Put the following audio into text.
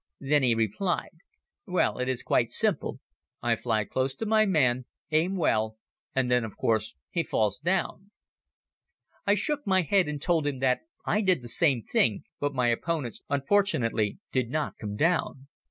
Then he replied: "Well it is quite simple. I fly close to my man, aim well and then of course he falls down." I shook my head and told him that I did the same thing but my opponents unfortunately did not come down.